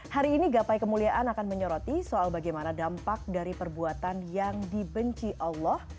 hari ini gapai kemuliaan akan menyoroti soal bagaimana dampak dari perbuatan yang dibenci allah